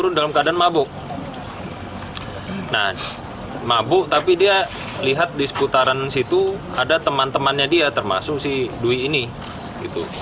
nah mabuk tapi dia lihat di seputaran situ ada teman temannya dia termasuk si dwi ini gitu